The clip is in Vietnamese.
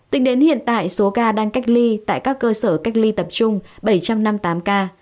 tính đến hiện tại số ca đang cách ly tại các cơ sở cách ly tập trung bảy trăm năm mươi tám ca